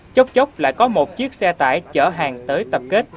chốc chốc lại có một chiếc xe tải chở hàng tới tập kết